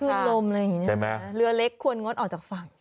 พึ่งลมอะไรอย่างนี้เรือเล็กควรงดออกจากฝั่งใช่ไหม